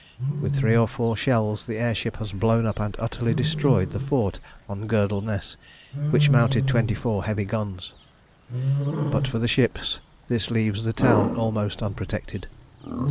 With three or four shells the air ship has blown up and utterly destroyed the fort on Girdleness, which mounted twenty four heavy guns. But for the ships, this leaves the town almost unprotected.